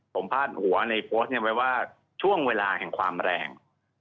ผมพาดหัวในโพสต์นี้ไว้ว่าช่วงเวลาแห่งความแรง